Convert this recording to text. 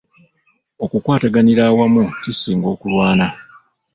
Okukwataganira awamu kisinga okulwana.